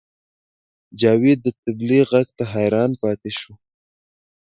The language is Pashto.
جاوید د طبلې غږ ته حیران پاتې شو